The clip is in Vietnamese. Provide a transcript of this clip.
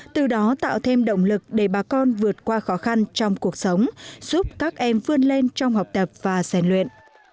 từ đó tạo thêm động lực để bà con vượt qua khó khăn trong cuộc sống giúp các em vươn lên trong học tập và sàn luyện